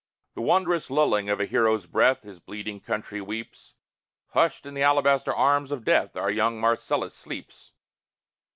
The wondrous lulling of a hero's breath His bleeding country weeps; Hushed in the alabaster arms of Death, Our young Marcellus sleeps.